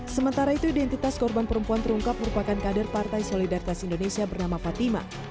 sementara itu identitas korban perempuan terungkap merupakan kader partai solidaritas indonesia bernama fatima